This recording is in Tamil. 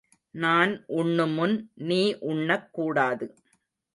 நான் உண்ணுமுன் நீ உண்ணக்கூடாது.